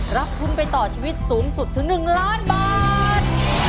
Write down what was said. รับทุนไปต่อชีวิตสูงสุดถึง๑ล้านบาท